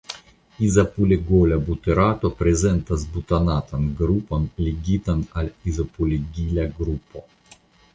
Izopulegola buterato prezentas butanatan grupon ligitan al izopulegila grupo.